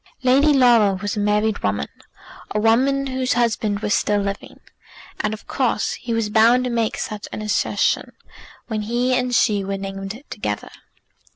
Lady Laura was a married woman, a woman whose husband was still living, and of course he was bound to make such an assertion when he and she were named together.